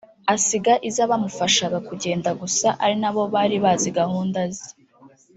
asiga iz’abamufashaga kugenda gusa ari nabo bari bazi gahunda ze